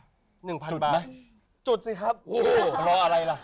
หนึ่งพันบาทไหมจุดสิครับโอ้โหรออะไรล่ะ